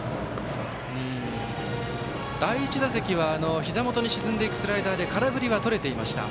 第１打席はひざ元に沈んでいくスライダーで空振りはとれていました。